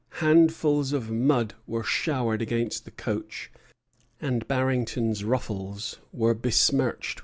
Handfuls of mud were showered against the coach, and Barrington's ruffles were besmirched with it.